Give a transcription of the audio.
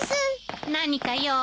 何か用？